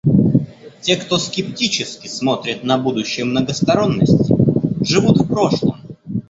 Те, кто скептически смотрит на будущее многосторонности, живут в прошлом.